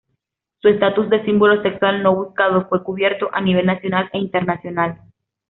Su estatus de símbolo sexual no buscado fue cubierto a nivel nacional e internacional.